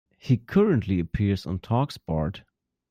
He currently appears on Talksport.